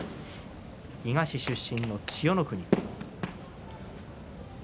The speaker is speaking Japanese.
伊賀市出身の千代の国。